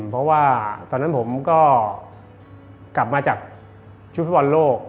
เพราะว่าตอนนั้นผมก็กลับมาจากชุดฟุตบอลโลก